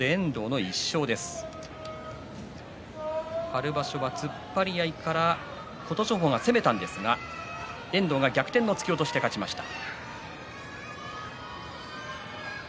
春場所は突っ張り合いから琴勝峰が攻めたんですが遠藤が逆転の突き落としで勝ちました。